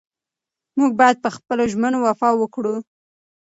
موږ باید په خپلو ژمنو وفا وکړو.